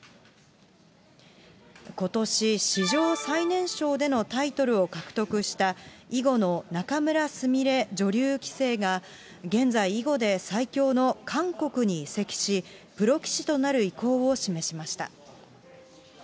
ことし、史上最年少でのタイトルを獲得した囲碁の仲邑菫女流棋聖が、現在、囲碁で最強の韓国に移籍し、プロ棋士となる意向を示しました。